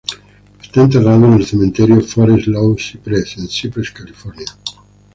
Está enterrado en el cementerio "Forest Lawn Cypress" en Cypress, California.